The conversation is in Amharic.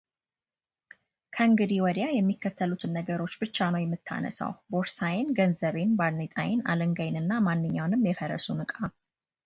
ከእንግዲህ ወዲያ የሚከተሉትን ነገሮች ብቻ ነው የምታነሳው ቦርሳዬን፣ ገንዘቤን ባርኔጣዬን አለንጋዬንና ማንኛውንም የፈረሱን እቃ፡፡